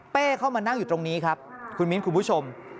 เข้ามานั่งอยู่ตรงนี้ครับคุณมิ้นคุณผู้ชม